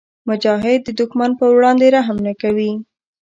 مجاهد د دښمن پر وړاندې رحم نه کوي.